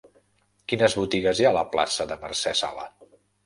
Quines botigues hi ha a la plaça de Mercè Sala?